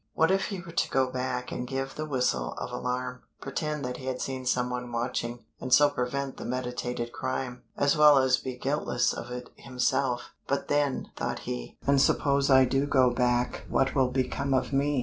What if he were to go back and give the whistle of alarm, pretend he had seen some one watching, and so prevent the meditated crime, as well as be guiltless of it himself; but then, thought he, "and suppose I do go back what will become of me?"